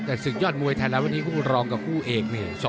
แต่ศึกยอดมวยไทยรัฐวันนี้คู่รองกับคู่เอกเนี่ย